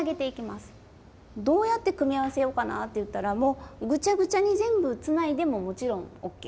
どうやって組み合わせようかなっていったらもうぐちゃぐちゃに全部つないでももちろんＯＫ。